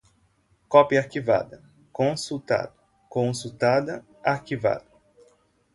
Cópia arquivada, consultado, consultada, arquivado